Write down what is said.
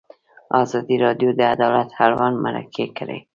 ازادي راډیو د عدالت اړوند مرکې کړي.